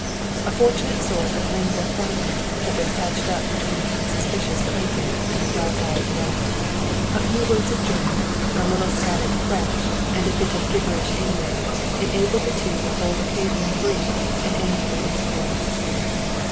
A fortunate sort of lingua Franca had been patched up between the unsuspicious Clayton and the dark eyed duenna. A few words of German, a little scattered French, and a bit of gibberish English enabled the two to hold occasional brief and amiable intercourse.